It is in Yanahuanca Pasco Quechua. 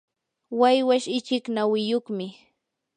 waywash ichik nawiyuqmi.